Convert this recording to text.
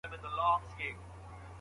قلمي خط د فکرونو ترمنځ تار غځوي.